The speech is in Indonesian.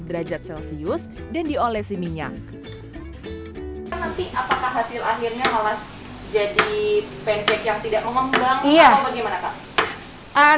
nanti apakah hasil akhirnya malah jadi pancake yang tidak mengembang atau bagaimana kak